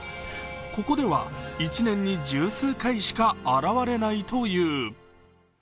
ここでは１年に十数回しか現れないという。